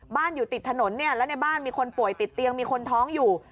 บ้านอยู่ติดถนนและในบ้านมีคนป่วยติดเตียงมีคนท้องอยู่